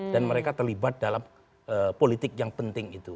dan mereka terlibat dalam politik yang penting itu